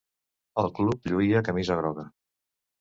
El club lluïa camisa groga.